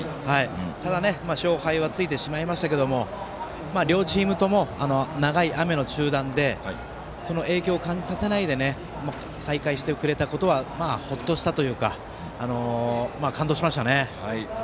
ただ、勝敗はついてしましたけど両チームとも、長い雨の中断でその影響を感じさせないで再開してくれたことはほっとしたというか感動しましたね。